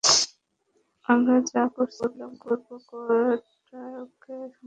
আমরা যা করছিলাম করব, কোরটাকেও সামহাও রিস্টার্ট করব!